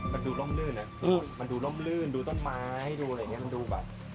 มันดูล่มลื่นดูต้นไม้ดูอะไรอย่างนี้มันดูแบบ